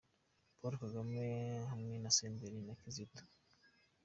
Paul Kagame hamwe na Senderi na Kitoko,.